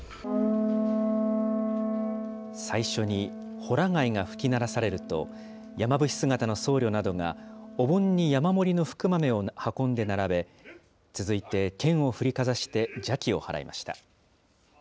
最初に、ほら貝が吹き鳴らされると、山伏姿の僧侶などが、お盆に山盛りの福豆を運んで並べ、続いて剣を振りかざして邪鬼を払いました。